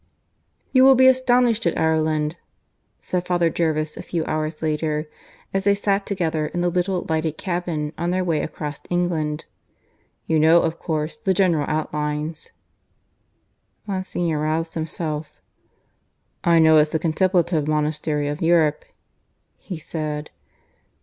... (II) "You will be astonished at Ireland," said Father Jervis a few hours later, as they sat together in the little lighted cabin on their way across England. "You know, of course, the general outlines?" Monsignor roused himself. "I know it's the Contemplative Monastery of Europe," he said.